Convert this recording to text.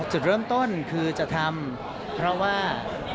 จุดเริ่มต้นคือจะทำเพราะว่า